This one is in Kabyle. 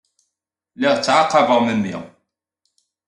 Lliɣ ttɛaqabeɣ memmi.